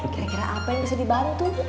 kira kira apa yang bisa dibantu